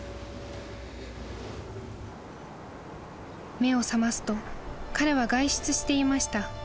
［目を覚ますと彼は外出していました］